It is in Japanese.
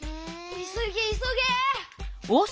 いそげいそげ！